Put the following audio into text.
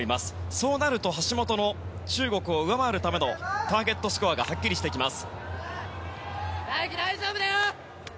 そうなると橋本の中国を上回るためのターゲットスコアがはっきりしてきます。